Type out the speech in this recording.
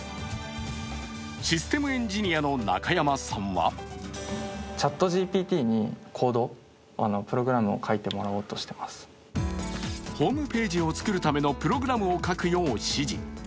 システムエンジニアの中山さんはホームページを作るためのプログラムを書くよう指示。